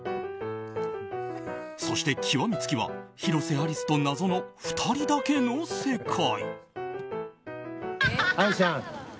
そして極め付きは広瀬アリスと謎の２人だけの世界。